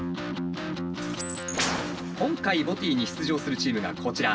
今回ＢＯＴＹに出場するチームがこちら。